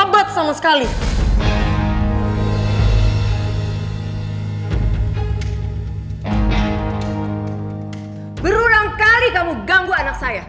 berulang kali kamu ganggu anak saya